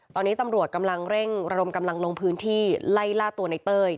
ตอนนี้ตำรวจกำลังเร่งระดมกำลังลงพื้นที่ไล่ล่าตัวในเต้ย